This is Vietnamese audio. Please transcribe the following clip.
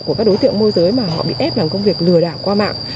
của các đối tượng môi giới mà họ bị ép làm công việc lừa đảo qua mạng